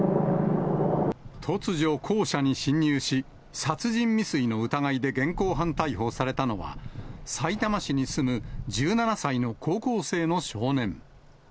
突如、校舎に侵入し、殺人未遂の疑いで現行犯逮捕されたのは、さいたま市に住む１７歳の高校生の少年。